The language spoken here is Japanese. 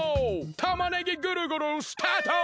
たまねぎぐるぐるスタート！